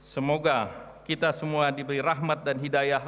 semoga kita semua diberi rahmat dan hidayah